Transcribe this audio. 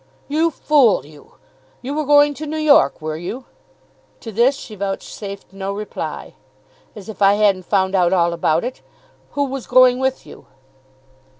"You fool you! You were going to New York, were you?" To this she vouchsafed no reply. "As if I hadn't found out all about it. Who was going with you?"